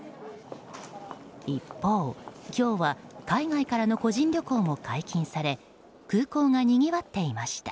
一方、今日は海外からの個人旅行も解禁され空港がにぎわっていました。